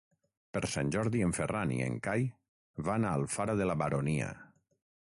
Per Sant Jordi en Ferran i en Cai van a Alfara de la Baronia.